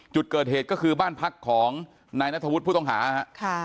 จุดเกิดเหตุก็คือบ้านพักของนายนัทธวุฒิผู้ต้องหาฮะ